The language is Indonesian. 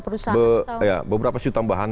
perusahaan atau ya beberapa sih tambahan